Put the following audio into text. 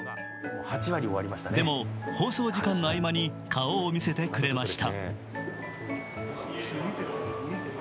でも、放送時間の合間に顔を見せてくれました。